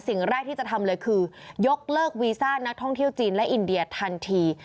สิ่งแรกที่จะทำเลยคือยกเลิกวีซ่านักท่องเที่ยวจีนและอินเดียทันที